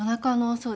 そう。